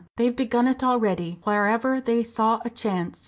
They've begun it already, wherever they saw a chance."